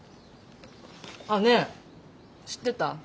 あっねえ知ってた？